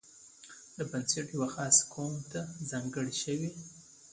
دا بنسټ یوه خاص قوم ته ځانګړی شوی.